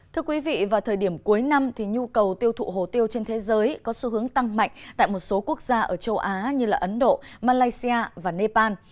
thưa quý vị vào thời điểm cuối năm nhu cầu tiêu thụ hồ tiêu trên thế giới có xu hướng tăng mạnh tại một số quốc gia ở châu á như ấn độ malaysia và nepal